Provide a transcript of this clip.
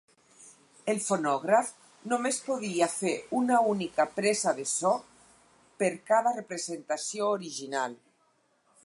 El fonògraf només podia fer una única presa de so per cada representació original.